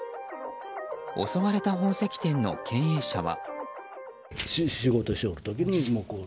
襲われた宝石店の経営者は。